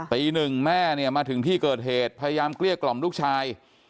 ตีหนึ่งแม่เนี่ยมาถึงที่เกิดเหตุพยายามเกลี้ยกล่อมลูกชาย